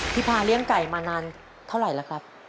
พาเลี้ยงไก่มานานเท่าไหร่แล้วครับ